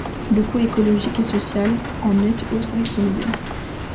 Le coût écologique et social est en nette hausse avec ce modèle.